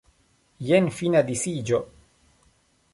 Jen fina disiĝo.